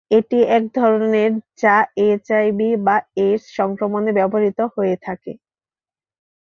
এটি একধরনের যা এইচআইভি বা এইডস সংক্রমণে ব্যবহৃত হয়ে থাকে।